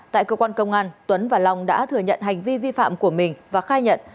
tại cơ quan công an tuấn và long đã thừa nhận hành vi vi phạm của mình và khai nhận